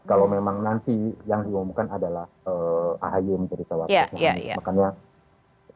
kalau memang nanti yang diumumkan adalah ahy menjadi cawapresnya